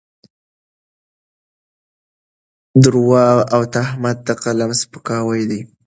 درواغ او تهمت د قلم سپکاوی دی.